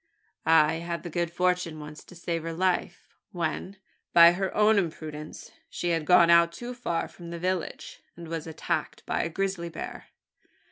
I had the good fortune once to save her life when, by her own imprudence, she had gone out too far from the village, and was attacked by a grizzly bear.